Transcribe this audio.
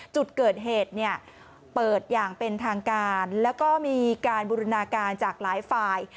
จุดเกิดเหตุเนี่ยเปิดอย่างเป็นทางการแล้วก็มีการบูรณาการจากหลายฝ่าย